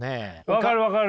分かる分かる！